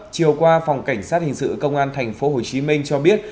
chiều qua phòng cảnh sát hình sự công an tp hcm cho biết